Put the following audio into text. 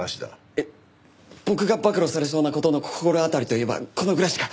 えっ僕が暴露されそうな事の心当たりといえばこのぐらいしか。